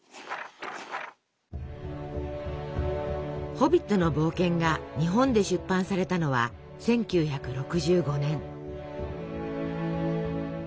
「ホビットの冒険」が日本で出版されたのは１９６５年。